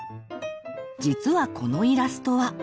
実はこのイラストは。